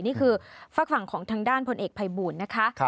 นี่คือฝากฝั่งของทางด้านพลเอกภัยบูลนะคะ